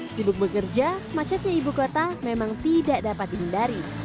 sibuk bekerja macetnya ibu kota memang tidak dapat dihindari